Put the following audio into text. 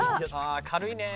ああ軽いね。